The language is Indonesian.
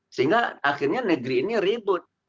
sehingga akhirnya negeri ini ribut